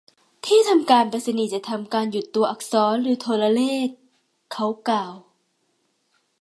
ที่ทำการไปรษณีย์จะทำการหยุดตัวอักษรหรือโทรเลข เขากล่าว